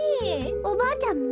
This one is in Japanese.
おばあちゃんも？